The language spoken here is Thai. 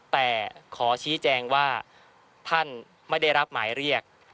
แต่ขอชี้แจงว่าท่านไม่ได้รับหมายเรียก